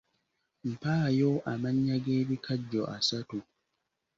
Mpaayo amannya g'ebikajjo asatu